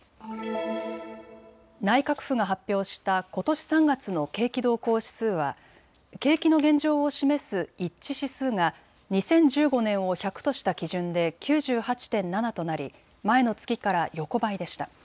内閣府が発表したことし３月の景気動向指数は景気の現状を示す一致指数が２０１５年を１００とした基準で９８．７となり前の月から横ばいでした。